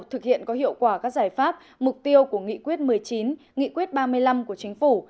thực hiện có hiệu quả các giải pháp mục tiêu của nghị quyết một mươi chín nghị quyết ba mươi năm của chính phủ